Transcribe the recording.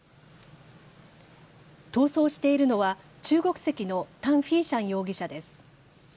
逃走しているのは中国籍のタン・フィーシャン容疑者です。